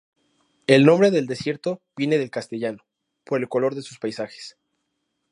El nombre del desierto viene del castellano, por el color de sus paisajes.